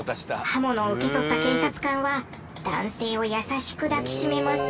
刃物を受け取った警察官は男性を優しく抱きしめます。